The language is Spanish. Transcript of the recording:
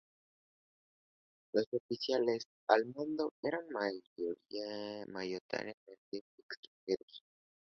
Los oficiales al mando eran mayoritariamente extranjeros.